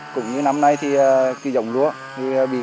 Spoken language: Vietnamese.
cũng như năm nay thì dòng lúa bị sâu bình